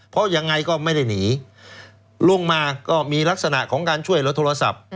เพราะยังไงก็ไม่ได้หนีลงมาก็มีลักษณะของการช่วยลดโทรศัพท์